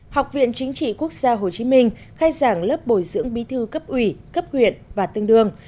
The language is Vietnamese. học viện chính trị quốc gia hồ chí minh khai giảng lớp bồi dưỡng bí thư cấp ủy cấp huyện và tương đương